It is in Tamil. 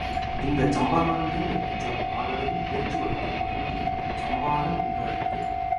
இந்த சண்பகாரண்யம் என்ற சொல் நாளடைவில் பேச்சு வழக்கில் மருவி சம்பரான் என்றாயிற்று.